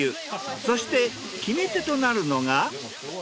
そして決め手となるのが。